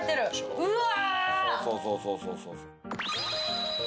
うわ！